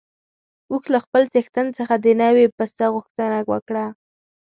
اوښ له خپل څښتن څخه د نوي پسه غوښتنه وکړه.